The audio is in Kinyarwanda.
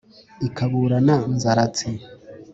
ikaburana nzaratsi